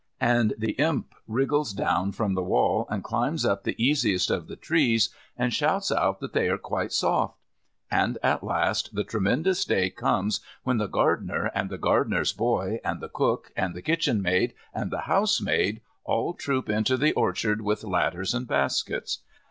And the Imp wriggles down from the wall and climbs up the easiest of the trees and shouts out that they are quite soft. And at last the tremendous day comes when the gardener, and the gardener's boy, and the cook, and the kitchenmaid, and the housemaid all troop into the orchard with ladders and baskets.